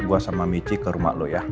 gue sama michi ke rumah lo ya